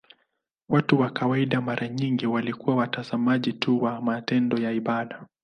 Watu wa kawaida mara nyingi walikuwa watazamaji tu wa matendo ya ibada.